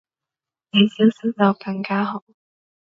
你消失就更加好